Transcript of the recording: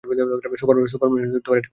Superman এটা কখনো করবে না।